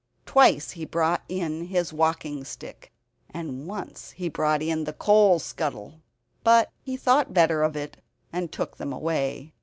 Twice he brought in his walking stick, and once he brought in the coal scuttle. But he thought better of it, and took them away.